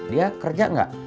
dia kerja nggak